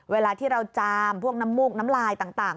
เวลาที่เราจามพวกน้ำมูกน้ำลายต่าง